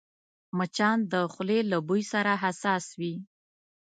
مچان د خولې له بوی سره حساس وي